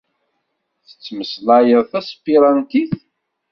Tettmeslayeḍ taspirantit?